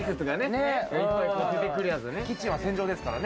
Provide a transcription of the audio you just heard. キッチンは戦場ですからね。